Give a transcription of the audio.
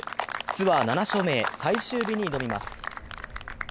ツアー７勝目へ、最終日に挑みます。